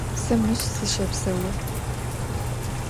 Сэ мыщ сыщэпсэу.